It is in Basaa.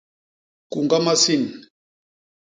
Kuñga masin.